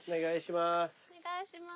お願いします。